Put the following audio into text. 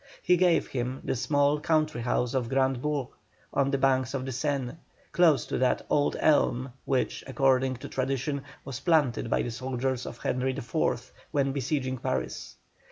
He gave him the small country house of Grand Bourg, on the banks of the Seine, close to that old elm which, according to tradition, was planted by the soldiers of Henry IV., when besieging Paris.